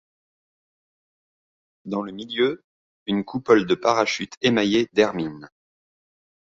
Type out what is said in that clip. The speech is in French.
Dans le milieu, une coupole de parachute émaillée d’hermine.